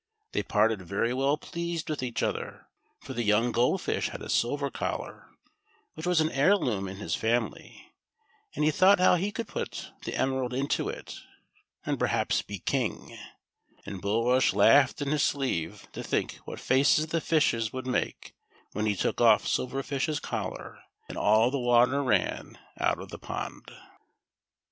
They parted very well pleased with each other, for the } oung Gold Fish had a silver collar, which was an heirloom in his family, and he thought how he could put the emerald into it, and perhaps be King ; and Bulrush laughed in his sleeve, to think what faces the fishes would make when he took off Silver Fish's collar, and all the water ran out of the pond.